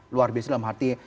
luar biasa dalam arti